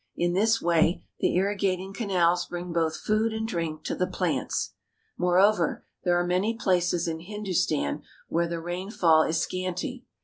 In this way the irrigating canals bring both food and drink to the plants. Moreover, there are many places in Hindustan where the rainfall is scanty.